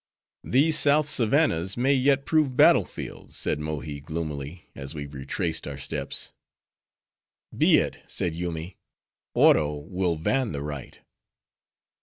"These South savannahs may yet prove battle fields," said Mohi; gloomily, as we retraced our steps. "Be it," said Yoomy. "Oro will van the right."